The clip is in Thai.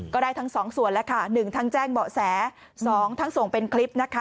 ได้ทั้งสองส่วนแล้วค่ะ๑ทั้งแจ้งเบาะแส๒ทั้งส่งเป็นคลิปนะคะ